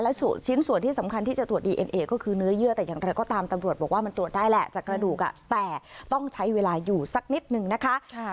และชิ้นส่วนที่สำคัญที่จะตรวจดีเอ็นเอก็คือเนื้อเยื่อแต่อย่างไรก็ตามตำรวจบอกว่ามันตรวจได้แหละจากกระดูกแต่ต้องใช้เวลาอยู่สักนิดนึงนะคะ